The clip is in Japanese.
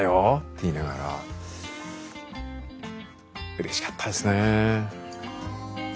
うれしかったですね。